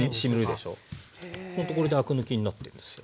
ほんとこれでアク抜きになってるんですよ。